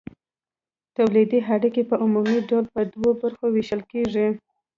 تولیدي اړیکې په عمومي ډول په دوو برخو ویشل کیږي.